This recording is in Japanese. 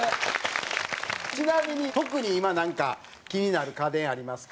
ちなみに、特に、今、なんか気になる家電ありますか？